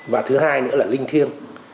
và thứ hai nữa là linh thiêng